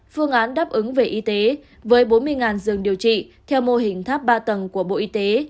phương án đáp ứng về y tế với bốn mươi giường điều trị theo mô hình tháp ba tầng của bộ y tế